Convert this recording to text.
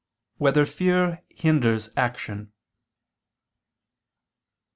4] Whether Fear Hinders Action?